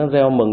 ông reo mừng